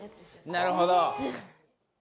なるほど。